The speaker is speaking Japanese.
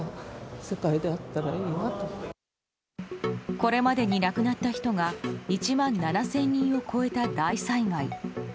これまでに亡くなった人が１万７０００人を超えた大災害。